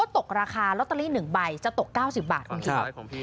ตกราคาลอตเตอรี่๑ใบจะตก๙๐บาทคุณคิด